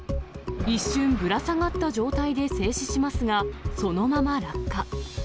一瞬、ぶら下がった状態で静止しますが、そのまま落下。